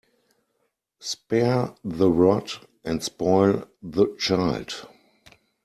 Spare the rod and spoil the child.